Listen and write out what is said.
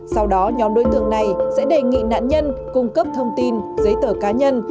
sau đó nhóm đối tượng này sẽ đề nghị nạn nhân cung cấp thông tin giấy tờ cá nhân